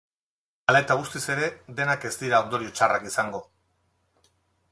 Hala eta guztiz ere, denak ez dira ondorio txarrak izango.